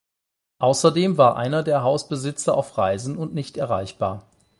Außerdem war einer der Hausbesitzer auf Reisen und nicht erreichbar.